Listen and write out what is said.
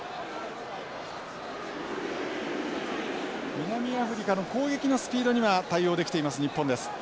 南アフリカの攻撃のスピードには対応できています日本です。